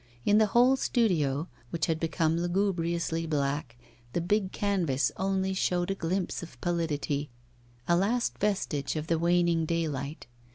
In the whole studio, which had become lugubriously black, the big canvas only showed a glimpse of pallidity, a last vestige of the waning daylight.